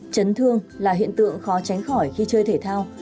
chấn thương là hiện tượng khó tránh khỏi khi chơi thể thao